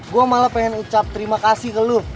gue malah pengen ucap terima kasih ke lo